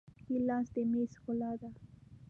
ګیلاس د میز ښکلا ده.